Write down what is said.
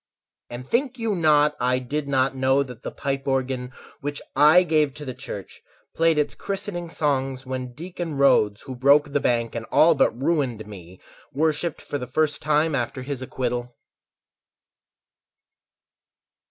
And think you not I did not know That the pipe organ, which I gave to the church, Played its christening songs when Deacon Rhodes, Who broke and all but ruined me, Worshipped for the first time after his acquittal?